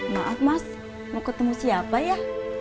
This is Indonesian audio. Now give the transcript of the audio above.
maaf mas mau ketemu siapa ya